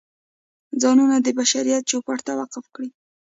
ځانونه د بشریت چوپړ ته وقف کړي.